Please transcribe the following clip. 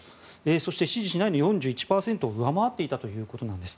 そして支持しないの４１％を上回っていたということです。